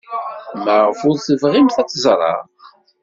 Maɣef ur tebɣimt ad ẓreɣ?